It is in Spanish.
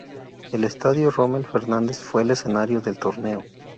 El Estadio Rommel Fernández fue el escenario del torneo.